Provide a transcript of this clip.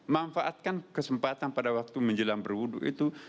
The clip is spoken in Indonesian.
manfaatkan kesempatan pada waktu menjelang berwudu itu